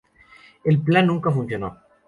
El plan nunca funcionó.